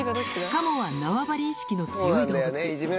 カモは縄張り意識の強い動物。